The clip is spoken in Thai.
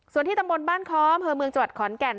ส่วนที่ตำบลบ้านคอมเฮอเมืองจวัดขอนแก่น